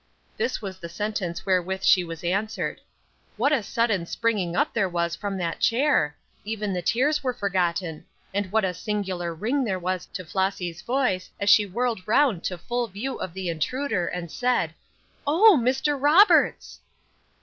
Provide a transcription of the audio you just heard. This was the sentence wherewith she was answered. What a sudden springing up there was from that chair! Even the tears were forgotten; and what a singular ring there was to Flossy's voice as she whirled round to full view of the intruder, and said, "Oh, Mr. Roberts!"